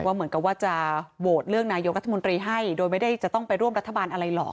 ว่าเหมือนกันว่าจะโหวตเรื่องนายกลุ่มกับวัธมตรีให้โดยไม่ได้จะต้องไปร่วมรัฐบาลอะไรหรอก